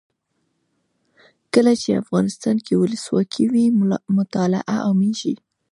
کله چې افغانستان کې ولسواکي وي مطالعه عامیږي.